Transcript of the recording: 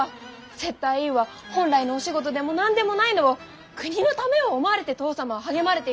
接待委員は本来のお仕事でも何でもないのを国のためを思われて父さまは励まれているんですよ。